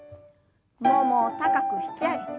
ももを高く引き上げて。